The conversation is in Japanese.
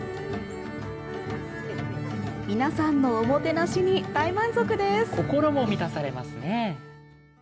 皆さんのおもてなしに大満足です心も満たされますね